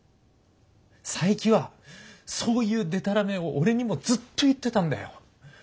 佐伯はそういうデタラメを俺にもずっと言ってたんだよ。